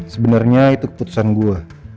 sebenarnya itu keputusan gue